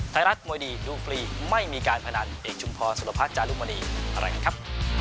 ไทยรัฐมวยดีดูฟรีไม่มีการพนันเอกชุมพรสุรพัฒน์จารุมณีอะไรกันครับ